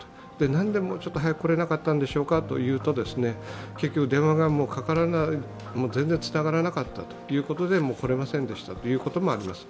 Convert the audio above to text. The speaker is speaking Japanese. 何でもうちょっと早く来れなかったんでしょうかと言うと結局電話が全然つながらなかったということで、来られませんでしたということもあります。